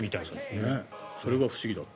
それが不思議だった。